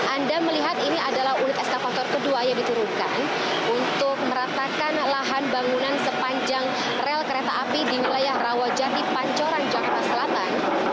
anda melihat ini adalah unit eskavator kedua yang diturunkan untuk meratakan lahan bangunan sepanjang rel kereta api di wilayah rawajati pancoran jakarta selatan